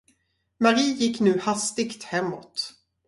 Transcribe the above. Mari gick nu hastigt hemåt.